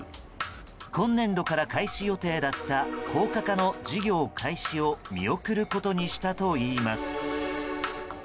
今年度から開始予定だった高架化の事業開始を見送ることにしたといいます。